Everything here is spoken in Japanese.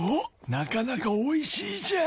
なかなかおいしいじゃん！